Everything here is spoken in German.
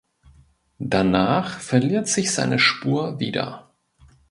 Danach verliert sich seine Spur wieder.